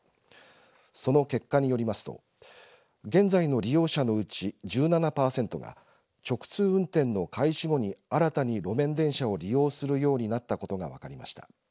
その結果によりますと現在の利用者のうち１７パーセントが直通運転の開始後に新たに路面電車を利用するようになったことが分かりました。